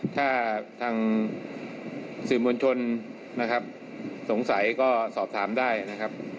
ถ้าทางสื่อมวลชนนะครับสงสัยก็สอบถามได้นะครับ